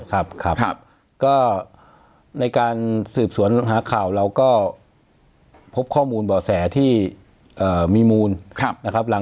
แล้วก็ในการสืบสวนหาข่าวเราก็พบข้อมูลเบาะแสที่มีมูล